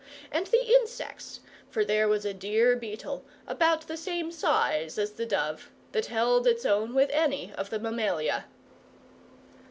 and the insects, for there was a dear beetle, about the same size as the dove, that held its own with any of the mammalia.